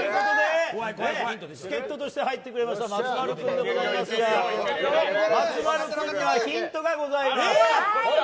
助っ人として入ってくださいました松丸君でございますが松丸君にヒントがございます。